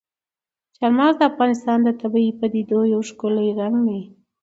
چار مغز د افغانستان د طبیعي پدیدو یو ښکلی رنګ دی.